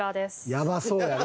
やばそうやなおい！